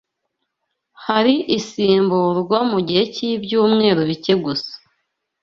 Hari izisimburwa mu gihe cy’ibyumweru bike gusa